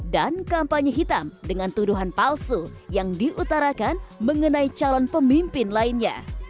dan kampanye hitam dengan tuduhan palsu yang diutarakan mengenai calon pemimpin lainnya